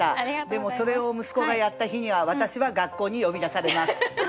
でもそれを息子がやった日には私は学校に呼び出されます。